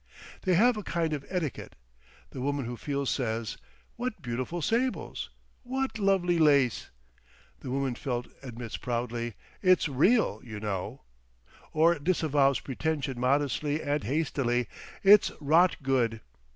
They have a kind of etiquette. The woman who feels says, "What beautiful sables?" "What lovely lace?" The woman felt admits proudly: "It's Real, you know," or disavows pretension modestly and hastily, "It's Rot Good."